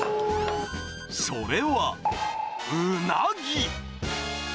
それは、うなぎ。